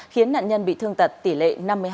khiến nạn nhân bị thương tật tỷ lệ năm mươi hai